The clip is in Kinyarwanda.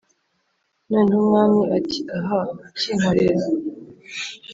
noneho umwami ati ‘ahaaa! ukinkorera?